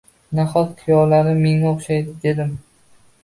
Nahot kuyovlarim menga oʻxshaydi dedim.